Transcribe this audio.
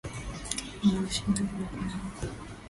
Nina ushindani baina yangu.